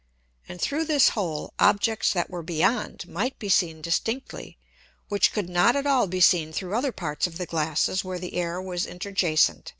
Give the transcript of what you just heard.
And through this hole Objects that were beyond might be seen distinctly, which could not at all be seen through other parts of the Glasses where the Air was interjacent.